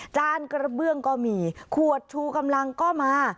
จานกระเบื้องก็มีขวดชูกำลังก็มา